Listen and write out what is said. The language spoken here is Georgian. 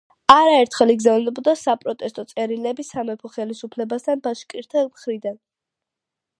არაერთხელ იგზავნებოდა საპროტესტო წერილები სამეფო ხელისუფლებასთან ბაშკირთა მხრიდან.